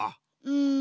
うん。